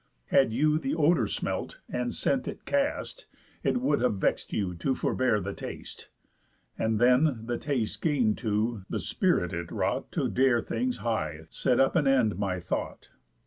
Had you the odour smelt and scent it cast, It would have vex'd you to forbear the taste. But then, the taste gain'd too, the spirit it wrought To dare things high set up an end my thought.